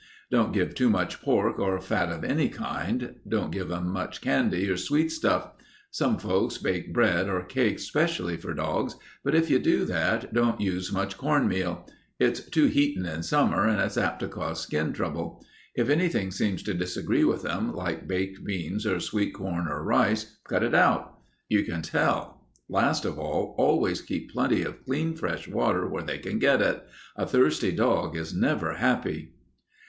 Don't give too much pork or fat of any kind. Don't give 'em much candy or sweet stuff. Some folks bake bread or cakes specially for dogs, but if you do that, don't use much corn meal. It's too heatin' in summer and it's apt to cause skin trouble. If anything seems to disagree with 'em, like baked beans, or sweet corn, or rice, cut it out; you can tell. Last of all, always keep plenty of clean, fresh water where they can get it. A thirsty dog is never happy."